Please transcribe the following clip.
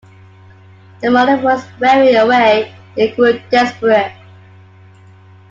The morning was wearing away; he grew desperate.